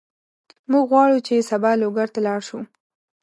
موږ غواړو چې سبا لوګر ته لاړ شو.